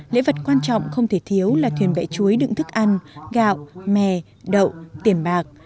lễ vật quan trọng không thể thiếu là thuyền bẹ chuối đựng thức ăn gạo mè đậu tiền bạc